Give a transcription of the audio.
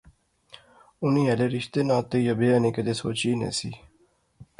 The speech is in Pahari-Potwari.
انی ہالے رشتے ناطے یا بیاہ نی کیدے سوچی ایہہ نہسی